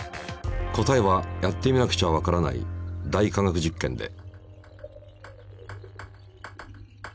答えはやってみなくちゃわからない「大科学実験」で。